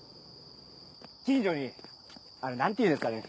近所にあれ何ていうんですかね？